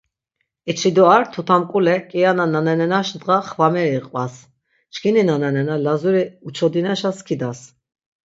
Eçidoar Tutamk̆ule Kiana Nananenaş Dğa xvameri iqvas. Çkini nananena Lazuri uçodineşa skidas.